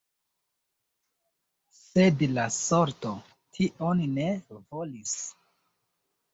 Sed la sorto tion ne volis.